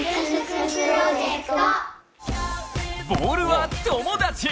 ボールは友達！